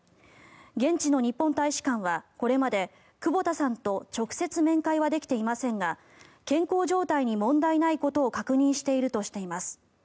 現地の日本大使館はこれまで久保田さんと直接面会はできていませんが健康状態に問題ないことを確認しているとしています。